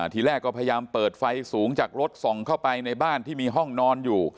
ทีแรกก็พยายามเปิดไฟสูงจากรถส่องเข้าไปในบ้านที่มีห้องนอนอยู่